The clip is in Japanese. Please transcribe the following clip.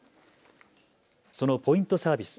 そのポイントサービス。